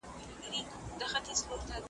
د ریا منبر ته خیژي ګناهکاره ثوابونه ,